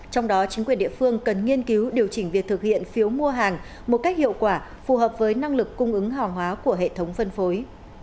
trong đó chính quyền địa phương cần nghiên cứu điều chỉnh việc thực hiện phiếu mua hàng một cách hiệu quả phù hợp với năng lực cung ứng hàng hóa của hệ thống phân phối